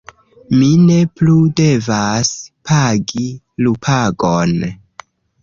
mi ne plu devas pagi lupagon.